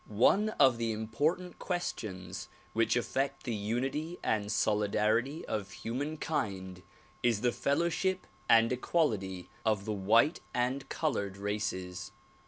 One of the important ques tions which affect the unity and solidarity of humankind is the fellowship and equality of the white and colored races.